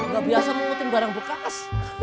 gak biasa ngukutin barang bekas